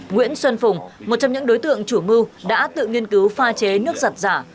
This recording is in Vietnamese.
nguyễn xuân phùng một trong những đối tượng chủ mưu đã tự nghiên cứu pha chế nước giặt giả